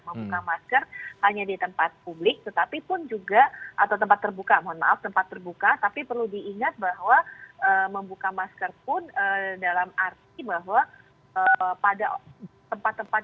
membuka masker hanya di tempat publik tetapi pun juga atau tempat terbuka mohon maaf tempat terbuka tapi perlu diingat bahwa membuka masker pun dalam arti bahwa pada tempat tempat